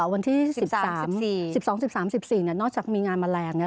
วันที่๑๓๑๒๑๓๑๔นอกจากมีงานแมลง